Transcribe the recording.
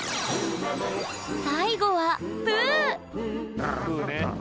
最後はプーね。